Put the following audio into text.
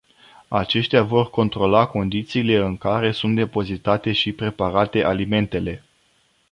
Aceștia vor controla condițiile în care sunt depozitate și preparate alimentele.